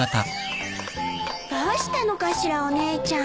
どうしたのかしらお姉ちゃん。